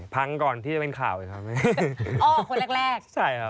พังก่อนที่จะเป็นข่าวคนแรก